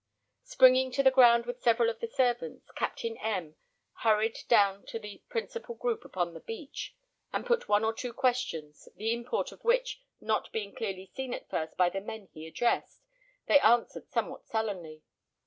Springing to the ground with several of the servants, Captain M hurried down to the principal group upon the beach, and put one or two questions, the import of which not being clearly seen at first by the men he addressed, they answered somewhat sullenly.